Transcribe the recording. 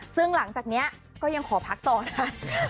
ซึ่งหลังจากนี้ก็ยังขอพักต่อนะ